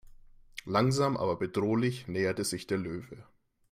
Langsam aber bedrohlich näherte sich der Löwe.